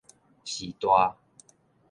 序大